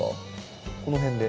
この辺で。